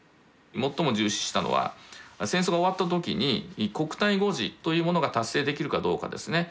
最も重視したのは戦争が終わった時に「国体護持」というものが達成できるかどうかですね。